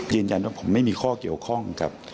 ยืนยันว่าผมไม่มีข้อเกี่ยวข้องกับ